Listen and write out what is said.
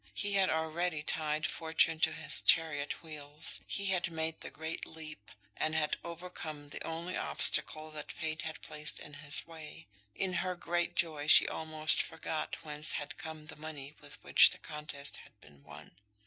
He had already tied Fortune to his chariot wheels. He had made the great leap, and had overcome the only obstacle that Fate had placed in his way. In her great joy she almost forgot whence had come the money with which the contest had been won.